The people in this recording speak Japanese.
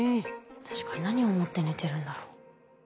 確かに何をもって寝てるんだろう？